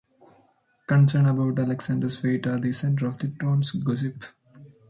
Concerns about Alexander's fate are the center of the town's gossip.